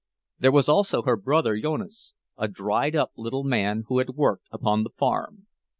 There was also her brother Jonas, a dried up little man who had worked upon the farm.